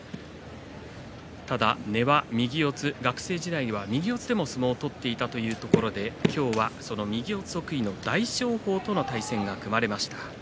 ただ根は右四つ学生時代は右四つでも相撲を取っていたというところで今日は右四つ得意の大翔鵬との対戦が組まれました。